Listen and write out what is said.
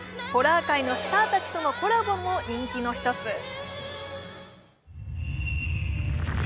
ホラー界のスターたちとのコラボも人気の一つ。